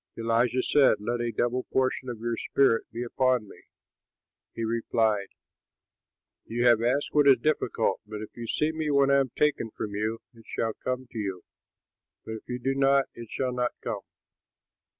Elisha said, "Let a double portion of your spirit be upon me." He replied, "You have asked what is difficult; but if you see me when I am taken from you, it shall come to you; but if you do not, it shall not come."